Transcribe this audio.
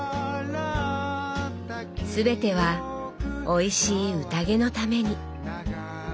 全てはおいしいうたげのために。